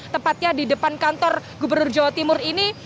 tepatnya di depan kantor gubernur jawa timur ini